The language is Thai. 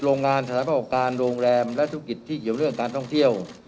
โรงงานสถานประกอบการโรงแรมและธุรกิจที่เกี่ยวเรื่องการท่องเที่ยว